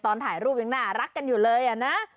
ถ่ายรูปยังน่ารักกันอยู่เลยอะนะ